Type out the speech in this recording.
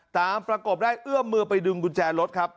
ประกบได้เอื้อมมือไปดึงกุญแจรถครับ